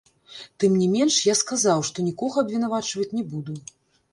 Тым не менш, я сказаў, што нікога абвінавачваць не буду.